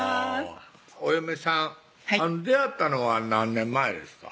お嫁さん出会ったのは何年前ですか？